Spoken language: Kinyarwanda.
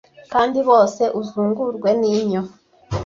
kandi bose uzungurwe n'inyo